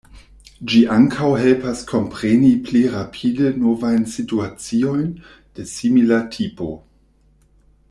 Ĝi ankaŭ helpas kompreni pli rapide novajn situaciojn de simila tipo.